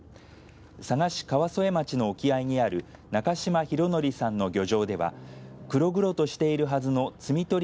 佐賀市川副町の沖合にある中島浩徳さんの漁場では黒々としているはずの摘み取り